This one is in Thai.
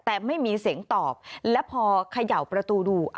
แต่ไม่มีเสียงตอบและพอเขย่าประตูดู